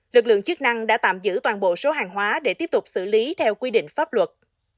lực lượng chức năng đã tạm giữ toàn bộ số hàng hóa để tiếp tục xử lý theo quy định pháp luật